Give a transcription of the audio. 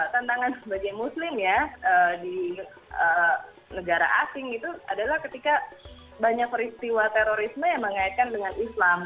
tantangan sebagai muslim ya di negara asing itu adalah ketika banyak peristiwa terorisme yang mengaitkan dengan islam